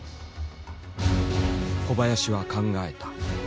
小林は考えた。